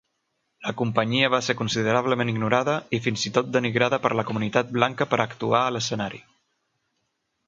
La companyia va ser considerablement ignorada i fins i tot denigrada per la comunitat blanca per actuar a l'escenari.